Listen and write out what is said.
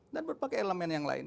dan berbagai elemen yang lain